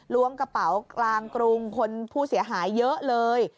ล้วงกระเป๋ากลางกรุงคนผู้เสียหายเยอะเลย